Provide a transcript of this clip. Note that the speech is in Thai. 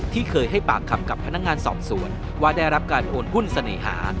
ที่เคยให้ปากคำกับพนักงานสอบสวนว่าได้รับการโอนหุ้นเสน่หา